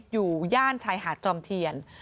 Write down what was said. ย่านชายหาดจอมเทียน